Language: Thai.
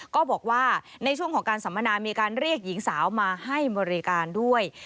ก็บอกว่าในช่วงของการสัมมนามีการเรียกหญิงสาวมาให้บริการด้วย